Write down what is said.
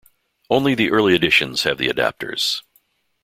Only the early editions have the adapters.